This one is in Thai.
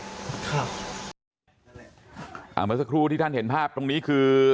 เมื่อสักครู่ที่ท่านเห็นภาพตรงนี้คือ